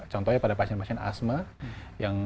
contohnya pada pasien pasien asma yang